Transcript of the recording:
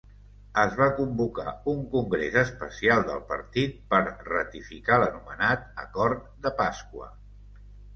Es va convocar un congrés especial del partit per ratificar l'anomenat Acord de Pasqua.